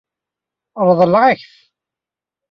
Ṛeḍlen-ak-t.